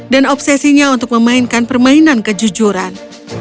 dan obsesinya untuk memainkan permainan kejujuran